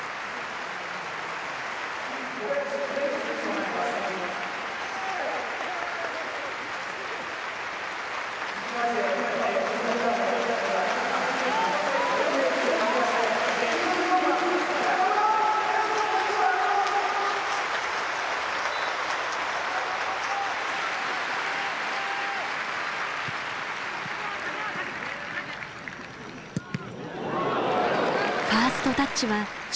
ファーストタッチはシュート。